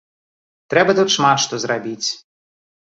Трэба тут шмат што зрабіць.